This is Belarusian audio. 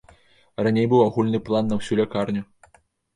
Раней быў агульны план на ўсю лякарню.